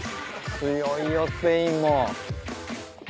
強いよスペインも。